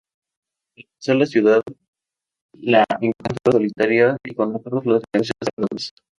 Al cruzar la ciudad, la encuentra solitaria y con todos los negocios cerrados.